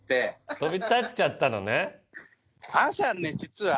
飛び立っちゃったのね。